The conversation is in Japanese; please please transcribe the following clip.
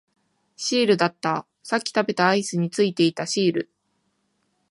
シールだった、さっき食べたアイスについていたシール